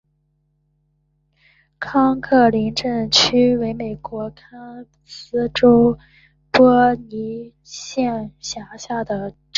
康克林镇区为美国堪萨斯州波尼县辖下的镇区。